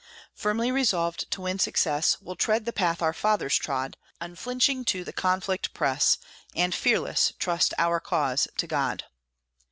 Firmly resolved to win success, We'll tread the path our fathers trod, Unflinching to the conflict press, And, fearless, trust our cause to God!